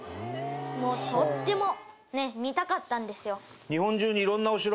もうとってもね見たかったんですよ。